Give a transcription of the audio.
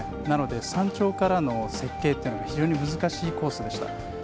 なので山頂からの設計が非常に難しいコースでした。